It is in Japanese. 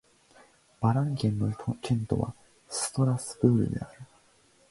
バ＝ラン県の県都はストラスブールである